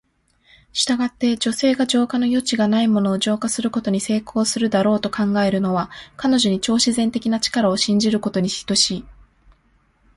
したがって、女性が浄化の余地がないものを浄化することに成功するだろうと考えるのは、彼女に超自然的な力を信じることに等しい。